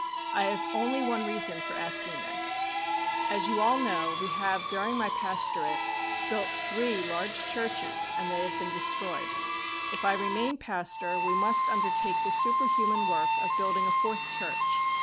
I have only one reason for asking this. As you all know, we have, during my pastorate, built three large churches and they have been destroyed. If I remain pastor we must undertake the superhuman work of building a fourth church.